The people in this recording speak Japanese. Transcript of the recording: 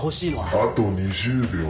あと２０秒。